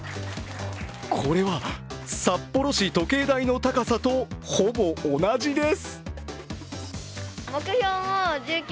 これは札幌市時計台の高さとほぼ同じです。